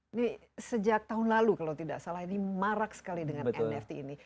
ini sejak tahun lalu kalau tidak salah ini marak sekali dengan nft ini